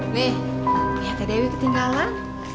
nih lihatnya dewi ketinggalan